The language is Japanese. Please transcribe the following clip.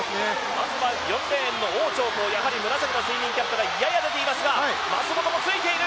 まずは、４レーンの王長コウやはり紫の水面キャップがやや出ていますが、松元もついている。